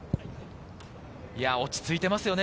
落ち着いていますね。